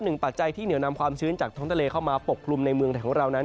ปัจจัยที่เหนียวนำความชื้นจากท้องทะเลเข้ามาปกกลุ่มในเมืองไทยของเรานั้น